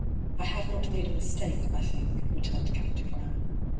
'I have not made a mistake, I think,* returned Captain Grant.